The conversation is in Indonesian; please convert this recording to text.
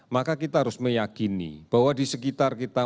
maka kita harus meyakini bahwa di sekitar kita